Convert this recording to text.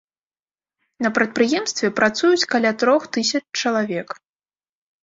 На прадпрыемстве працуюць каля трох тысяч чалавек.